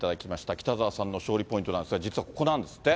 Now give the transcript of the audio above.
北澤さんの勝利ポイントなんですが、実はここなんですって。